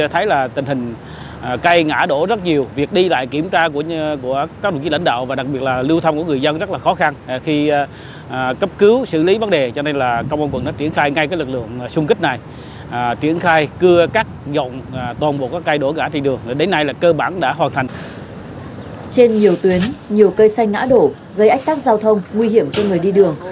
trên nhiều tuyến nhiều cây xanh ngã đổ gây ách tác giao thông nguy hiểm cho người đi đường